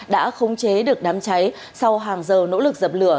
đã khống chế được đám cháy sau hàng giờ nỗ lực dập lửa